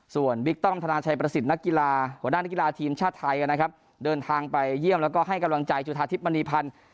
ส่วนบิ๊กต้อมธนาชัยประสิทธิ์นักกีฬาหัวหน้านักกีฬาทีมชาติไทยนะครับเดินทางไปเยี่ยมแล้วก็ให้กำลังใจจุธาทิพย์มณีพันธ์